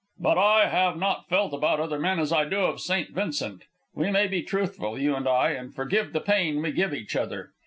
"But I have not felt about other men as I do of St. Vincent. We may be truthful, you and I, and forgive the pain we give each other.